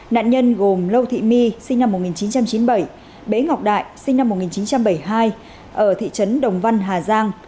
nạn nhân gồm lâu thị my sinh năm một nghìn chín trăm chín mươi bảy bế ngọc đại sinh năm một nghìn chín trăm bảy mươi hai ở thị trấn đồng văn hà giang